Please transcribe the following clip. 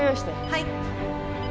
はい。